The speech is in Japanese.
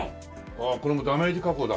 ああこれもダメージ加工だ。